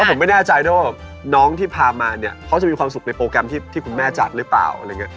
ผมไม่แน่ใจด้วยว่าน้องที่พามาเนี่ยเขาจะมีความสุขในโปรแกรมที่คุณแม่จัดหรือเปล่าอะไรอย่างนี้